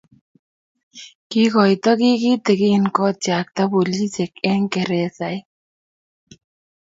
kiikoito kiy kitigin kotyakta polisiek eng' geresait.